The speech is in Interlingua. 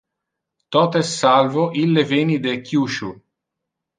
Totes salvo ille veni de Kyushu.